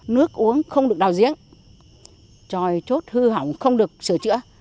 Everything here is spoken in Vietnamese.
nước uống không được đào diễn tròi chốt hư hỏng không được sửa chữa